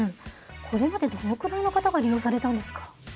これまでどのくらいの方が利用されたんですか？